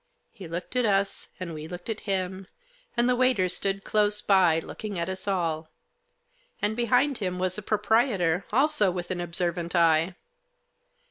He looked at us, and we looked at him, and the waiter stood close by, looking at us all. And behind him was the proprietor, also with an observant eye.